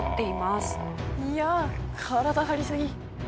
いやあ体張りすぎ。